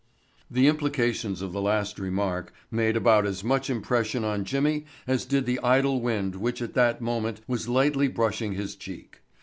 The implications of the last remark made about as much impression on Jimmy as did the idle wind which at that moment was lightly brushing his cheek.